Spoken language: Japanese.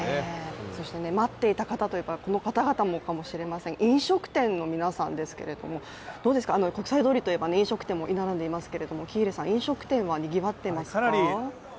そして待っていた方はこの方々かもしれません飲食店の方なんですけれどもどうですか、国際通りというのは飲食店も立ち並んでいますけれども飲食店はにぎわっていますか？